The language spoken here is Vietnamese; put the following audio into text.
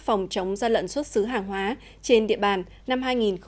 phòng chống gian lận xuất xứ hàng hóa trên địa bàn năm hai nghìn hai mươi